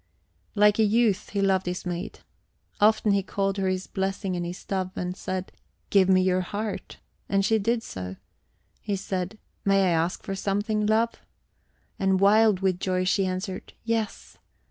Like a youth he loved his maid. Often he called her his blessing and his dove, and said: "Give me your heart!" And she did so. He said: "May I ask for something, love?" And, wild with joy, she answered "Yes."